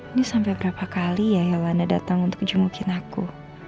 ini sampai berapa kali ya hewannya datang untuk jemukin aku